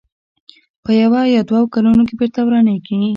په یوه یا دوو کلونو کې بېرته ورانېږي.